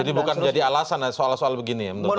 jadi bukan jadi alasan soal soal begini ya menurut anda